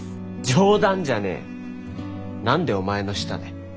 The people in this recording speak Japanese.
冗談じゃねえ何でお前の下で。